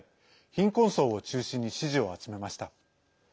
貧困層を中心に支持を集めました。